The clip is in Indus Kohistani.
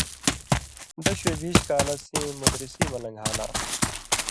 دشُوئ بیش کالہ سیں مُدرِسی مہ لن٘گھالان٘س